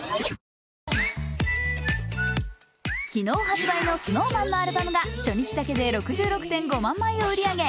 昨日発売のＳｎｏｗＭａｎのアルバムが初日だけで６６．５万枚を売り上げ